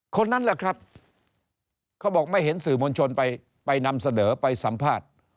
คนนั้นแหละครับเขาบอกไม่เห็นสื่อมวลชนไปนำเสนอไปสัมภาษณ์